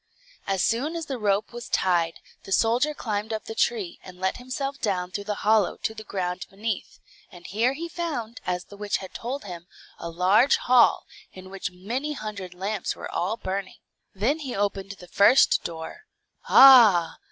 As soon as the rope was tied, the soldier climbed up the tree, and let himself down through the hollow to the ground beneath; and here he found, as the witch had told him, a large hall, in which many hundred lamps were all burning. Then he opened the first door. "Ah!"